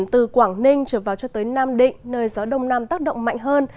từ quảng ninh trở vào cho tới nam định nơi gió đông nam tác động mạnh hơn